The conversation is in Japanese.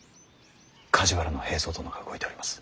梶原平三殿が動いております。